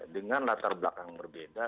dengan latar belakang berbeda